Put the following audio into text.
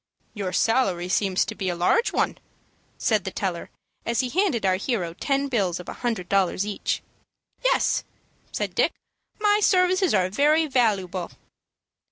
"Your salary seems to be a large one," said the teller, as he handed our hero ten bills of a hundred dollars each. "Yes," said Dick, "my services are very valooable."